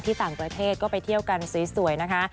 ต่างประเทศก็ไปเที่ยวกันสวยนะคะ